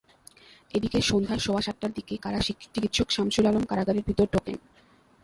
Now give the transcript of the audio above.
এদিকে সন্ধ্যা সোয়া সাতটার দিকে কারা চিকিৎসক শামসুল আলম কারাগারের ভেতর ঢোকেন।